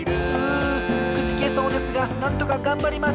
うんくじけそうですがなんとかがんばります！